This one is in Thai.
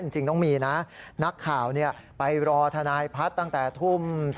จริงต้องมีนะนักข่าวไปรอทนายพัฒน์ตั้งแต่ทุ่ม